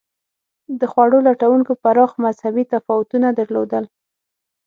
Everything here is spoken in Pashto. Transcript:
د خوړو لټونکو پراخ مذهبي تفاوتونه درلودل.